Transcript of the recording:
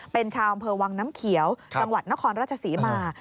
เป็นชาวอำเภอวังน้ำเขียวจังหวัดนครราชศรีมา